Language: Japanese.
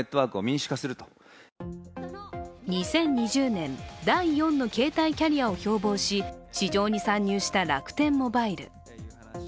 ２０２０年、第４の携帯キャリアを標ぼうし市場に参入した楽天モバイル。